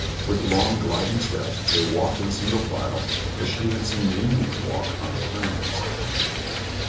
With long, gliding steps they walked in single file as she had seen the Indians walk on the plains.